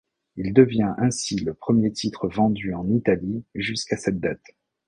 Il devient ainsi le premier titre vendu en Italie jusqu'à cette date.